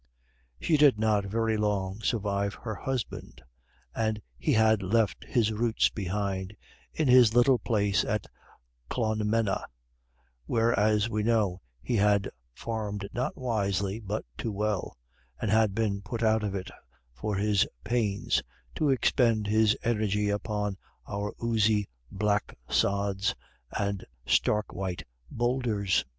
She did not very long survive her husband, and he had left his roots behind in his little place at Clonmena, where, as we know, he had farmed not wisely but too well, and had been put out of it for his pains to expend his energy upon our oozy black sods and stark white bowlders.